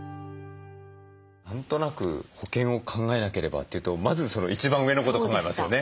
何となく保険を考えなければというとまずその一番上のこと考えますよね。